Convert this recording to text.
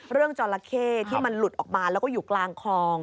จราเข้ที่มันหลุดออกมาแล้วก็อยู่กลางคลอง